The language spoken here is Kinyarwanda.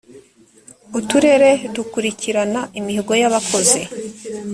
uturere dukurikirana imihigo y’ abakozi .